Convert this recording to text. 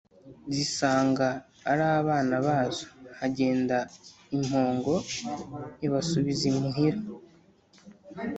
zisanga ari abana bazo! hagenda impongo ibasubiza imuhira;